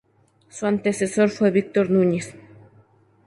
Su antecesor fue Víctor Núñez.